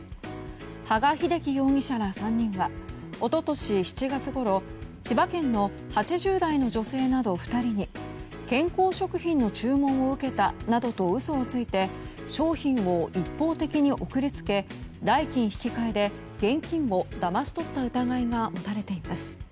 羽賀秀樹容疑者ら３人は一昨年７月ごろ千葉県の８０代の女性など２人に健康食品の注文を受けたなどと嘘をついて商品を一方的に送り付け代金引換で現金をだまし取った疑いが持たれています。